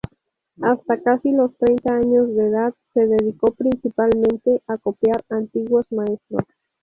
Hasta casi los treinta años de edad, se dedicó principalmente a copiar antiguos maestros.